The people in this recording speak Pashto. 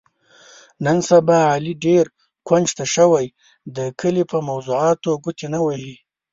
نن سبا علي ډېر کونج ته شوی، د کلي په موضاتو ګوتې نه وهي.